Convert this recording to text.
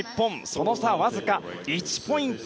その差、わずか１ポイント。